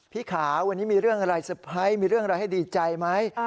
พี่ขาวันนี้มีเรื่องอะไรเซอร์ไพรส์มีเรื่องอะไรให้ดีใจไหม